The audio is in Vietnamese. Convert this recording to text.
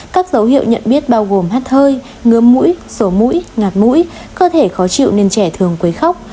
các dấu hiệu nhận biết bao gồm hát hơi ngứa mũi sổ mũi ngạt mũi cơ thể khó chịu nên trẻ thường quấy khóc